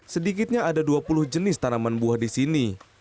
sedikitnya ada dua puluh jenis tanaman buah di sini